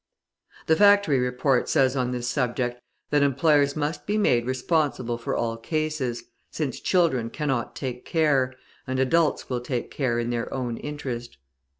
The Factory Report says on this subject, that employers must be made responsible for all cases, since children cannot take care, and adults will take care in their own interest.